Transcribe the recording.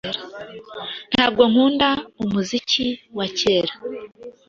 Ntabwo nkunda umuziki wa kera.